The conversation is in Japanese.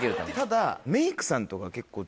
ただ。